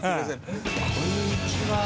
こんにちは。